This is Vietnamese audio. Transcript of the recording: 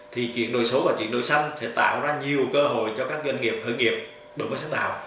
thì chuyển đổi số và chuyển đổi xanh sẽ tạo ra nhiều cơ hội cho các doanh nghiệp khởi nghiệp đổi mới sáng tạo